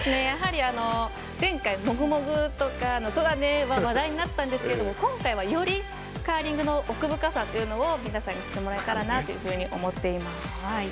やはり前回モグモグとかそだねーは話題になったんですけど今回は、よりカーリングの奥深さというのを皆さんに知ってもらえたらなとというふうに思っています。